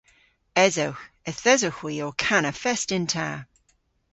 Esewgh. Yth esewgh hwi ow kana fest yn ta.